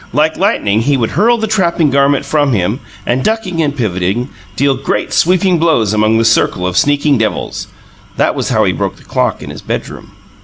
Like lightning, he would hurl the trapping garment from him, and, ducking and pivoting, deal great sweeping blows among the circle of sneaking devils. (That was how he broke the clock in his bedroom.)